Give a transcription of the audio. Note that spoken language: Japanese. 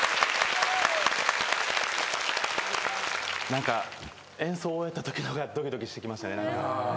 何か演奏終えたときの方がドキドキしてきましたね。